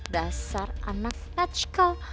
dasar anak patch call